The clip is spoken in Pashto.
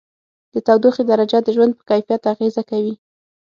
د تودوخې درجه د ژوند په کیفیت اغېزه کوي.